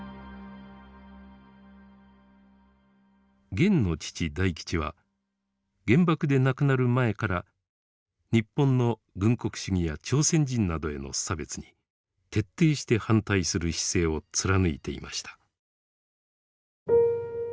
ゲンの父大吉は原爆で亡くなる前から日本の軍国主義や朝鮮人などへの差別に徹底して反対する姿勢を貫いていました。